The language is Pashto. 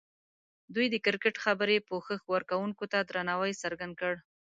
دوی د کرکټ خبري پوښښ ورکوونکو ته درناوی څرګند کړ.